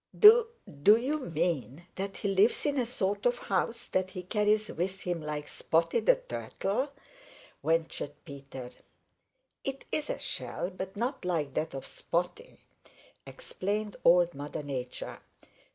"Do do you mean that he lives in a sort of house that he carries with him like Spotty the Turtle?" ventured Peter. "It is a shell, but not like that of Spotty," explained Old Mother Nature.